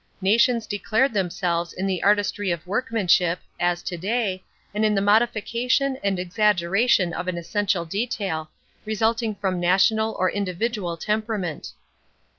Nations declared themselves in the artistry of workmanship, as to day, and in the modification and exaggeration of an essential detail, resulting from national or individual temperament.